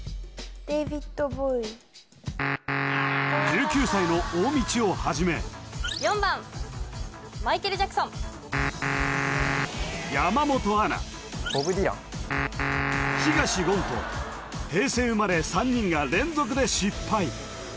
１９歳の大道をはじめ山本アナ東言と平成生まれ３人が連続で失敗